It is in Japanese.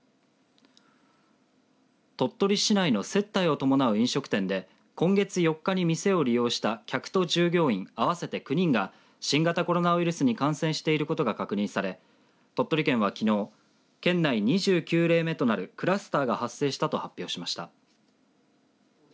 鳥取市内の接待を伴う飲食店で今月４日に店を利用した客と従業員、合わせて９人が新型コロナウイルスに感染していることが確認され鳥取県はきのう県内２９例目となるクラスターが発生したと発表しました。